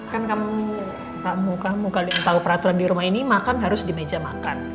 kan kamu kamu kamu kalian tau peraturan di rumah ini makan harus di meja makan